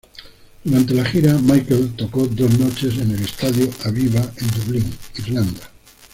Durante la gira, Michael tocó dos noches en el Estadio Aviva en Dublín, Irlanda.